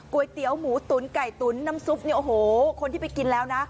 เตี๋ยวหมูตุ๋นไก่ตุ๋นน้ำซุปเนี่ยโอ้โหคนที่ไปกินแล้วนะ